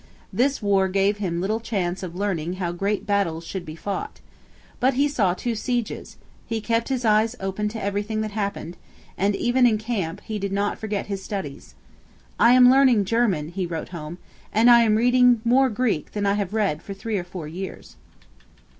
This war gave him little chance of learning how great battles should be fought. But he saw two sieges; he kept his eyes open to everything that happened; and, even in camp, he did not forget his studies. 'I am learning German,' he wrote home, 'and I am reading more Greek than I have read for three or four years.'